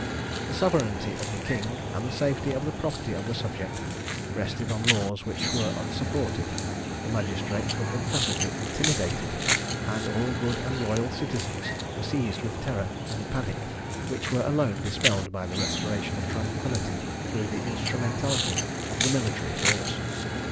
The sovereignty of the King, and the safety of the property of the subject, rested on laws which were unsupported; the magistrates were confessedly intimidated; and all good and loyal citizens were seized with a terror and panic, which were alone dispelled by the restoration of tranquillity through the instrumentality of the military force.